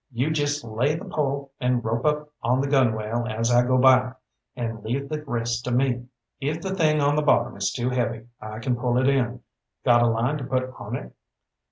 You just lay the pole and rope up on the gunwale as I go by, and leave the rest to me. If the thing on the bottom is too heavy, I can pull it in. Got a line to put on it?"